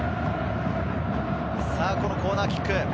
コーナーキック。